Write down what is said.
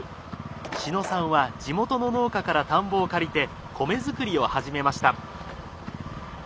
志野さんは地元の農家から田んぼを借りて米づくりを始めました。